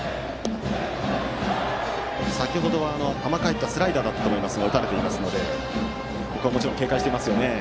先程は甘く入ったスライダーを打たれていますので、ここはもちろん警戒していますよね。